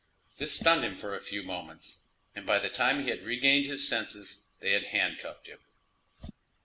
This stunned him for a few moments, and by the time he had regained his senses they had handcuffed him.